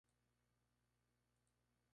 Igualmente se considera ateo.